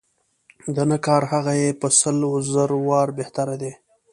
د نه کار هغه یې په سل و زر واره بهتر دی.